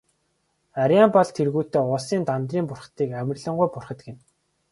Арьяабал тэргүүтэн үйлсийн Дандарын бурхдыг амарлингуй бурхад гэнэ.